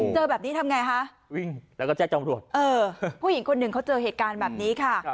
เจอแบบนี้ทำไงฮะวิ่งแล้วก็แจ้งจำรวจผู้หญิงคนหนึ่งเขาเจอเหตุการณ์แบบนี้ค่ะ